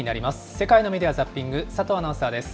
世界のメディア・ザッピング、佐藤アナウンサーです。